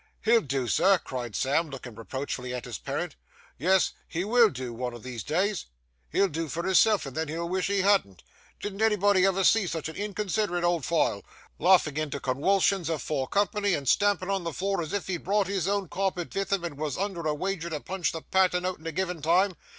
'He'll do, sir!' cried Sam, looking reproachfully at his parent. 'Yes, he will do one o' these days,—he'll do for his self and then he'll wish he hadn't. Did anybody ever see sich a inconsiderate old file,—laughing into conwulsions afore company, and stamping on the floor as if he'd brought his own carpet vith him and wos under a wager to punch the pattern out in a given time?